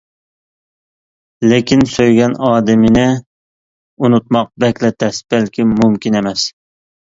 لېكىن سۆيگەن ئادىمىنى ئۇنتۇماق بەكلا تەس بەلكىم مۇمكىن ئەمەس.